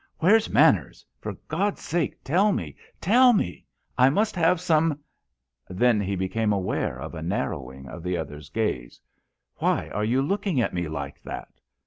"Where's Manners, for God's sake tell me—tell me? I must have some——" Then he became aware of a narrowing of the other's gaze. "Why are you looking at me like that?"